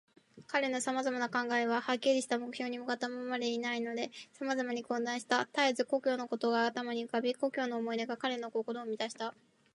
彼のさまざまな考えは、はっきりした目標に向ったままでいないで、さまざまに混乱した。たえず故郷のことが頭に浮かび、故郷の思い出が彼の心をみたした。